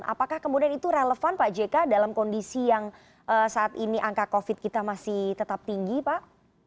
apakah kemudian itu relevan pak jk dalam kondisi yang saat ini angka covid kita masih tetap tinggi pak